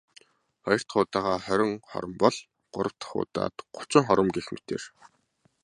Хоёр дахь удаагаа хорин хором бол.. Гурав дахь удаад гучин хором гэх мэтээр.